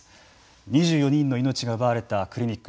２４人の命が奪われたクリニック。